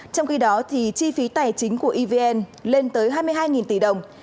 trong khi đó chi phí tài chính của evn lên tới hai mươi hai tỷ đồng